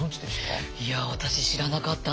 いや私知らなかったんです。